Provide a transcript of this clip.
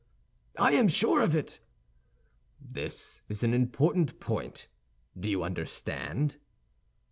"I am sure of it." "That is an important point, do you understand?"